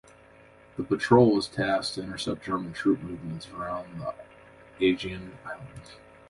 The patrol was tasked to intercept German troop movements around the Aegean Islands.